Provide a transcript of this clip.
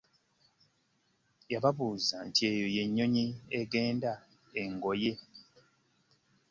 Yababuuza nti eyo y'ennyonyi egenda engoye.